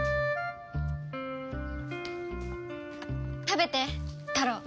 食べてタロウ。